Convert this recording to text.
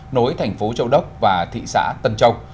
nối thành phố châu đốc và thị xã tân châu